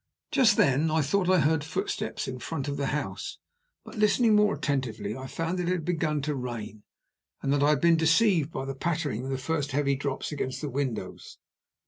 Just then I thought I heard footsteps in front of the house, but, listening more attentively, found that it had begun to rain, and that I had been deceived by the pattering of the first heavy drops against the windows.